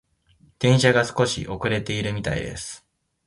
電車が少し遅れているみたいです。